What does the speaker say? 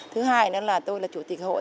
thứ hai là tôi là chủ tịch hội